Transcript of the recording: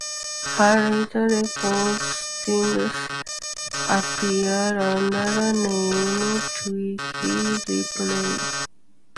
Her later recordings appeared under the name Twinkle Ripley.